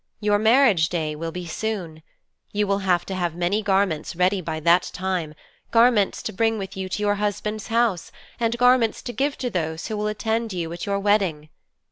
Your marriage day will be soon. You will have to have many garments ready by that time garments to bring with you to your husband's house, and garments to give to those who will attend you at your wedding.